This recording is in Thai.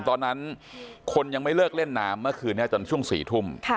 ตอนนั้นคนยังไม่เลิกเล่นน้ำเมื่อคืนนี้จนช่วง๔ทุ่ม